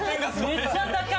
めっちゃ高い！